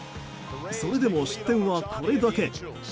それでも失点は、これだけ。